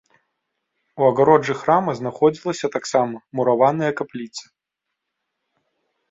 У агароджы храма знаходзілася таксама мураваная капліца.